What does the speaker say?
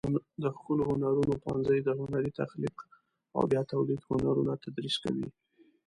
د ښکلو هنرونو پوهنځی د هنري تخلیق او بیا تولید هنرونه تدریس کوي.